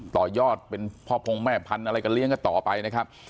ต่อยอดเป็นพ่อพงแม่พันธุ์อะไรก็เลี้ยงกันต่อไปนะครับ